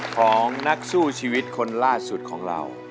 ของนักสู้ชีวิตคนล่าสุดของเรา